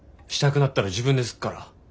したくなったら自分ですっから。